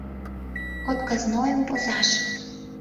Отказнойым возаш.